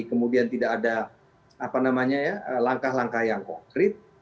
kemudian tidak ada langkah langkah yang konkret